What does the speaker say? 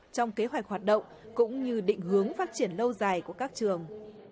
trong kế hoạch hoạt động cũng như định hướng phát triển lâu dài của các trường